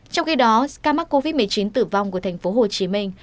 trong khi đó ca mắc covid một mươi chín tử vong của thành phố hồ chí minh